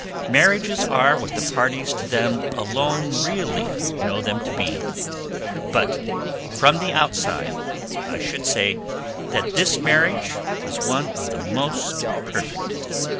Marriages are what the parties to them alone really know them to be, but from the outside I should say that this marriage was one of the most perfect.